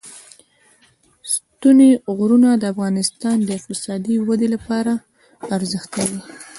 ستوني غرونه د افغانستان د اقتصادي ودې لپاره ارزښت لري.